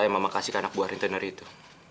yang mama kasih ke anak buah rintener itu